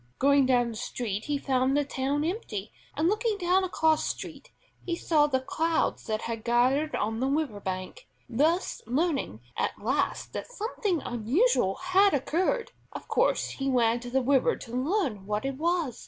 Going down the street he found the town empty, and, looking down a cross street, he saw the crowds that had gathered on the river bank, thus learning at last that something unusual had occurred. Of course he ran to the river to learn what it was.